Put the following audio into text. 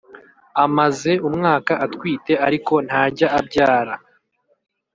Amaze umwaka atwite ariko ntajya abyara